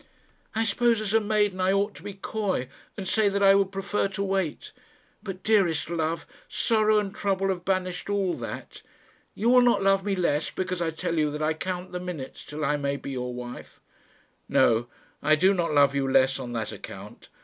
"I suppose as a maiden I ought to be coy, and say that I would prefer to wait; but, dearest love, sorrow and trouble have banished all that. You will not love me less because I tell you that I count the minutes till I may be your wife." "No; I do not love you less on that account.